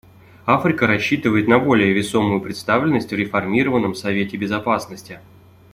Африка рассчитывает на более весомую представленность в реформированном Совете Безопасности.